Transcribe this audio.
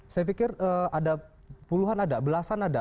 saya pikir ada puluhan ada belasan ada